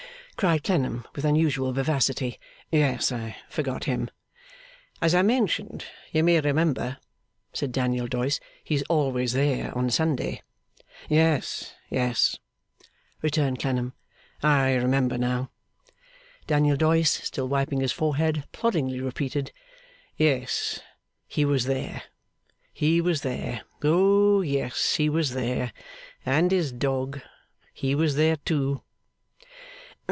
cried Clennam with unusual vivacity, 'Yes! I forgot him.' 'As I mentioned, you may remember,' said Daniel Doyce, 'he is always there on Sunday.' 'Yes, yes,' returned Clennam; 'I remember now.' Daniel Doyce, still wiping his forehead, ploddingly repeated. 'Yes. He was there, he was there. Oh yes, he was there. And his dog. He was there too.